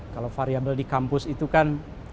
kalau variable di kampus itu kan